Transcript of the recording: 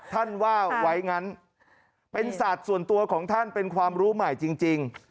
ท่านว่าไว้งั้นเป็นศาสตร์ส่วนตัวของท่านเป็นความรู้ใหม่จริง